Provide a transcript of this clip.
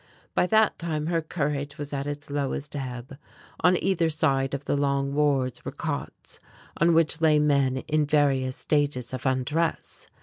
By that time her courage was at its lowest ebb. On either side of the long wards were cots, on which lay men in various stages of undress.